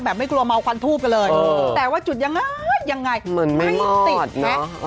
ไม่กลัวเมาควันทูบกันเลยแต่ว่าจุดยังไงยังไงให้ติดไหม